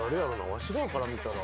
わしらから見たら。